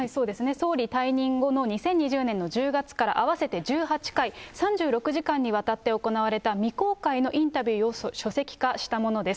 総理退任後の２０２０年の１０月から合わせて１８回、３６時間にわたって行われた未公開のインタビューを書籍化したものです。